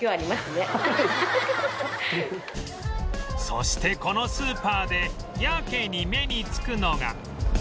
そしてこのスーパーでやけに目につくのが